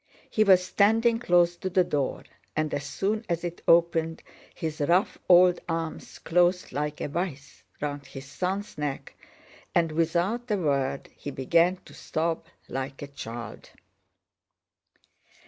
He was standing close to the door and as soon as it opened his rough old arms closed like a vise round his son's neck, and without a word he began to sob like a child.